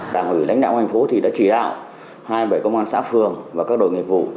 đảng ủy lãnh đạo thành phố đã chỉ đạo hai mươi bảy công an xã phường và các đội nghiệp vụ